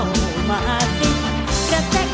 แ่พุกใจโดยแทผ่านแปลกด้วย